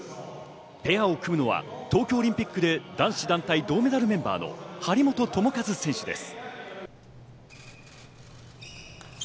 ペアを組むのは東京オリンピックで男子団体銅メダルメンバーの張本智和選手です。